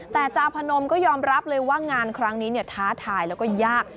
แต่จาพนมก็ยอมรับเลยว่างานครั้งนี้ท้าทายแล้วก็ยาก